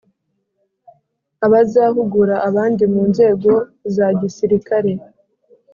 Abazahugura abandi mu nzego za gisirikare